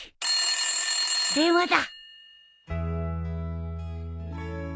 ☎電話だ。